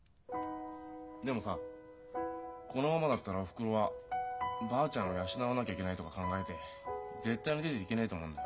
でもさこのままだったらおふくろはばあちゃんを養わなきゃいけないとか考えて絶対に出ていけねえと思うんだ。